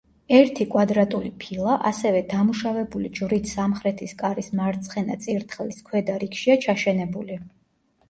ერთი კვადრატული ფილა, ასევე დამუშავებული ჯვრით სამხრეთის კარის მარცხენა წირთხლის ქვედა რიგშია ჩაშენებული.